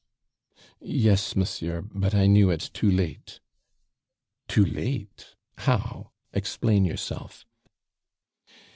"Yes, monsieur; but I knew it too late." "Too late! How? Explain yourself."